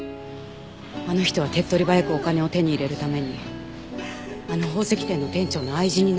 あの人は手っ取り早くお金を手に入れるためにあの宝石店の店長の愛人になったんです。